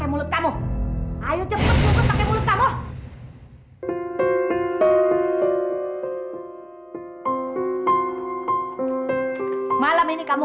udah pulang ya ampun